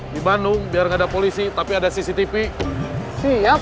di bandung biar nggak ada polisi tapi ada cctv siap